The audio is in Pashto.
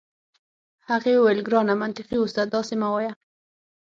هغې وویل: ګرانه منطقي اوسه، داسي مه وایه.